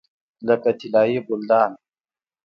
لکه طلایي ګلدان.